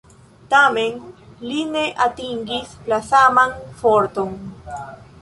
Tamen, ili ne atingis la saman forton.